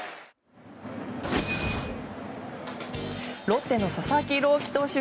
ロッテの佐々木朗希投手